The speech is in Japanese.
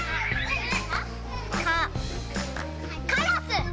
カカラス！